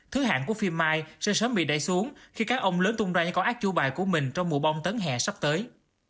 thứ hạng của phim mai sẽ sớm bị đẩy xuống khi các ông lớn tung ra những con ác chua bài của mình trong mùa bông tấn hẹ sắp tới